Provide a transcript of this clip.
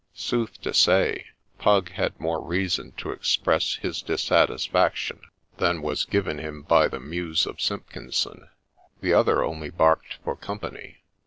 Sooth to say, pug had more reason to express his dissatisfaction than was given him by the muse of Simpkinson ; the other only barked for company.